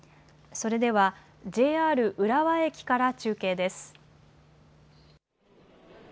それではＪＲ浦和駅から中継です。